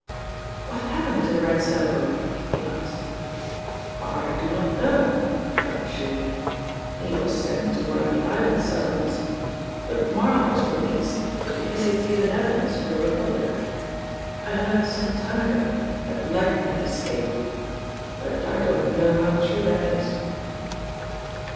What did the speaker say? "What happened to the Red Circle?" he asked. "I do not know," shrugged Jules. "He was sent to one of the island settlements, but Marl was released because he had given evidence for the Republic. I heard some time ago that Lightman had escaped, but I don't know how true that is."